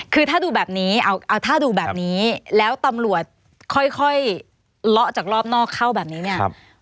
คือถ้าดูแบบนี้เอาถ้าดูแบบนี้แล้วตำรวจค่อยเลาะจากรอบนอกเข้าแบบนี้เนี่ย